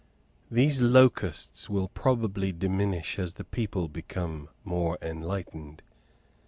These locusts will probably diminish as the people become more enlightened.